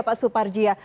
pak suparji ya